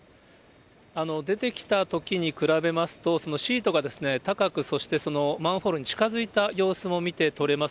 出てきたときに比べますと、そのシートが高く、そしてマンホールに近づいた様子も見て取れます。